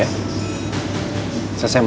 makanan dihabisin dulu ya